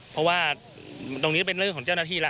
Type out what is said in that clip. เพราะว่าตรงนี้เป็นเรื่องของเจ้าหน้าที่แล้ว